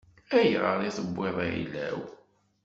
Ayɣer i tewwiḍ ayla-w?